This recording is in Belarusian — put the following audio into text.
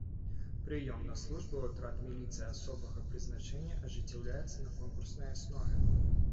Прыём на службу ў атрад міліцыі асобага прызначэння ажыццяўляецца на конкурснай аснове.